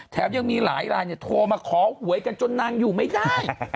ยังมีหลายลายโทรมาขอหวยกันจนนางอยู่ไม่ได้